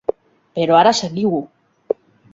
Però ara seguiu-ho!